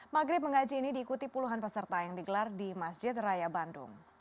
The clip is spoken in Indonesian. maghrib mengaji ini diikuti puluhan peserta yang digelar di masjid raya bandung